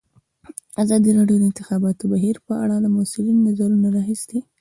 ازادي راډیو د د انتخاباتو بهیر په اړه د مسؤلینو نظرونه اخیستي.